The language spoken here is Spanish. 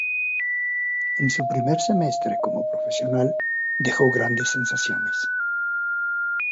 En su primer semestre como profesional dejó grandes sensaciones.